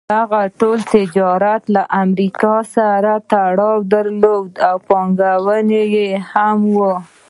دغه ټول تجارت له امریکا سره تړاو درلود او پانګه یې هم وه.